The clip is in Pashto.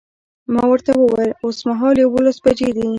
ما ورته وویل اوسمهال یوولس بجې دي.